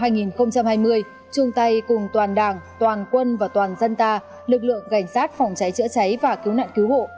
năm hai nghìn hai mươi trung tây cùng toàn đảng toàn quân và toàn dân ta lực lượng cảnh sát phòng cháy chữa cháy và cứu nạn cứu hộ